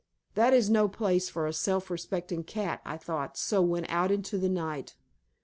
"That is no place for a self respecting cat," I thought, so went out into the night.